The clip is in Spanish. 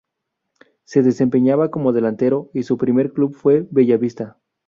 Se desempeñaba como delantero y su primer club fue Bella Vista.